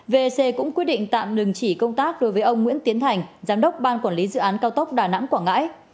vec cũng quyết định tạm đình chỉ công tác đối với ông nguyễn tiến thành giám đốc ban quản lý dự án cao tốc đà nẵng quảng ngãi